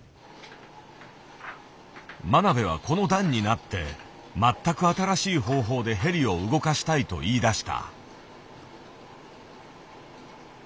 真鍋はこの段になって全く新しい方法でヘリを動かしたいと言いだした。